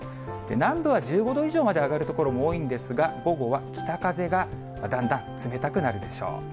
南部は１５度以上まで上がる所も多いんですが、午後は北風がだんだん冷たくなるでしょう。